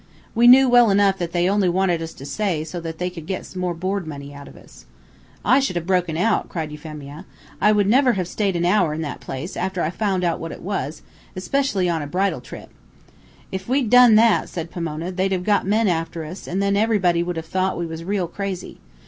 We knew well enough that they only wanted us to stay so that they could get more board money out of us." "I should have broken out," cried Euphemia. "I would never have staid an hour in that place, after I found out what it was, especially on a bridal trip." "If we'd done that," said Pomona, "they'd have got men after us, an' then everybody would have thought we was real crazy.